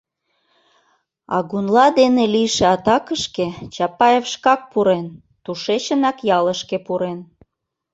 Агунла дене лийше атакышке Чапаев шкак пурен, тушечынак ялышке пурен.